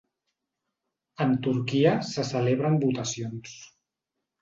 En Turquia se celebren votacions